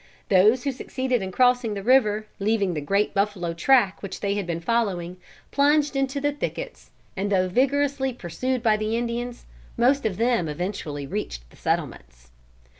Those who succeeded in crossing the river, leaving the great buffalo track which they had been following, plunged into the thickets, and though vigorously pursued by the Indians, most of them eventually reached the settlements.